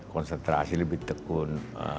konsentrasi lebih tekun